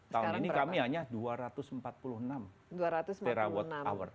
tahun ini kami hanya dua ratus empat puluh enam perawatt hour